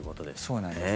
そうなんです。